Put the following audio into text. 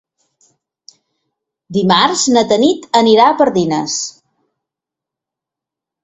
Dimarts na Tanit anirà a Pardines.